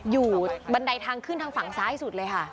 บันไดทางขึ้นทางฝั่งซ้ายสุดเลยค่ะ